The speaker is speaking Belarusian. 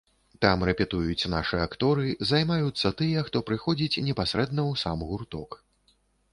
Там рэпетуюць нашы акторы, займаюцца тыя, хто прыходзіць непасрэдна ў сам гурток.